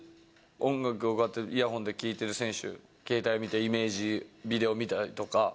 音楽をこうやって、イヤホンで聴いてる選手、携帯見て、イメージビデオ見たりとか。